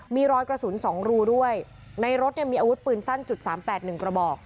มีรอยกระสุน๒รูด้วยในรถเนี่ยมีอาวุธปืนสั้นจุดสามแปดหนึ่งกระบอก